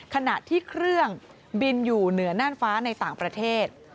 ขณะที่เครื่องบินอยู่เหนือน่านฟ้าในต่างประเทศ